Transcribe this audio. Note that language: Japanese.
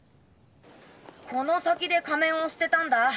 この先で仮面を捨てたんだ。